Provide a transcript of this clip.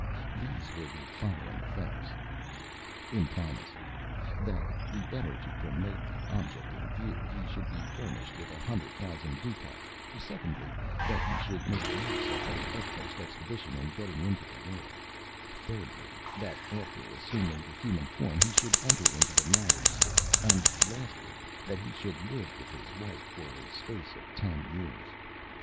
These were to the following effect: Imprimis, that the better to promote the object in view, he should be furnished with a hundred thousand gold ducats; secondly, that he should make use of the utmost expedition in getting into the world; thirdly, that after assuming the human form he should enter into the marriage state; and lastly, that he should live with his wife for the space of ten years.